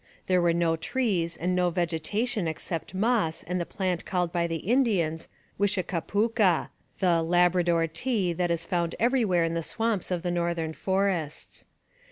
There were no trees and no vegetation except moss and the plant called by the Indians wish a capucca the 'Labrador tea' that is found everywhere in the swamps of the northern forests.